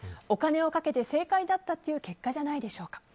お金をかけて正解だったっていう結果じゃないでしょうか。